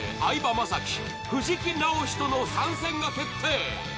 雅紀藤木直人の参戦が決定